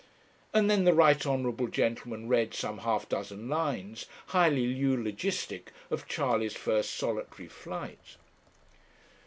And then the right honourable gentleman read some half dozen lines, highly eulogistic of Charley's first solitary flight.